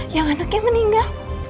yang anaknya meninggal